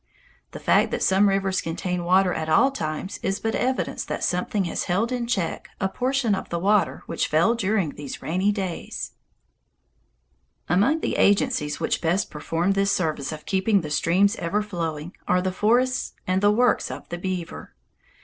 The fact that some rivers contain water at all times is but evidence that something has held in check a portion of the water which fell during these rainy days. [Illustration: A BEAVER DAM IN WINTER] Among the agencies which best perform this service of keeping the streams ever flowing, are the forests and the works of the beaver.